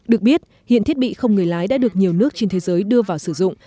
được biết hiện thiết bị không người lái đã được nhiều nước trên thế giới đưa vào sử dụng